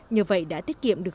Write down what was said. nhờ vậy đã tiết kiệm được